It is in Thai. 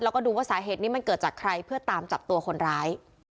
แล้วก็ดูว่าสาเหตุนี้มันเกิดจากใครเพื่อตามจับตัวคนร้าย